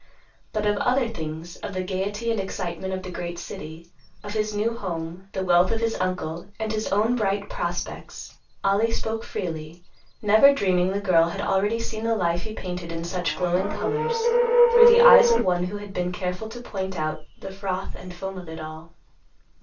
But of other things, of the gaiety and excitement of the great city, of his new home, the wealth of his uncle, and his own bright prospects, Ollie spoke freely, never dreaming the girl had already seen the life he painted in such glowing colors through the eyes of one who had been careful to point out the froth and foam of it all.